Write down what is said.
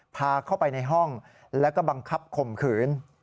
พาเข้าไปในห้องแล้วก็บังคับข่มขืน